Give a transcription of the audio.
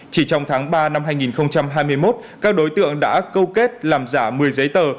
chỉ trong tháng ba năm hai nghìn hai mươi một các đối tượng đã câu kết làm giả một mươi giấy tờ